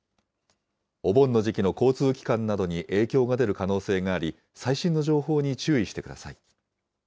お盆の時期の交通機関などに影響が出る可能性があり、最新の情報に注意してください。